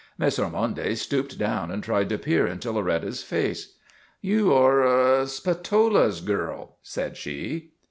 Miss Ormonde stooped down and tried to peer into Loretta's face. " You are Spatola's girl," said she.